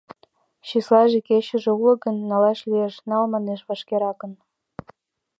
Числаже-кечыже уло гын, налаш лиеш, нал, — манеш, — вашкеракын.